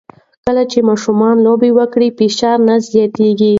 کله چې ماشومان لوبه وکړي، فشار نه زیاتېږي.